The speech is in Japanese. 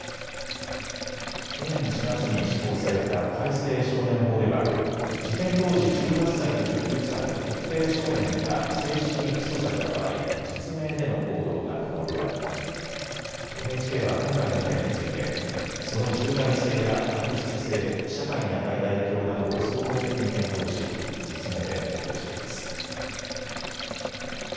去年４月に施行された改正少年法では事件当時１８歳と１９歳の特定少年が正式に起訴された場合、実名での報道が可能となりＮＨＫは今回の事件についてその重大性や悪質性、社会に与えた影響などを総合的に検討し実名で報道しています。